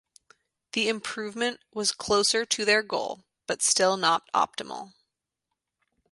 The improvement was closer to their goal, but still not optimal.